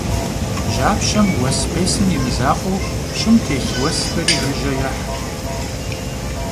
Japşem vues khêsım yi mızakhueu, ş'ım têlh vuesxeri jjıje yêh.